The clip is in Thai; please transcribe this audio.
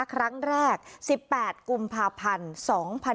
ครั้งแรก๑๘กุมภาพันธุ์